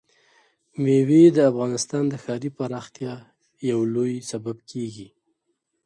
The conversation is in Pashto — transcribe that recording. مېوې د افغانستان د ښاري پراختیا یو لوی سبب کېږي.